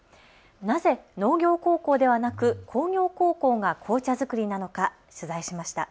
なぜ農業高校ではなく工業高校が紅茶作りなのか、取材しました。